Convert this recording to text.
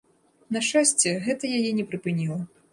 На шчасце, гэта яе не прыпыніла.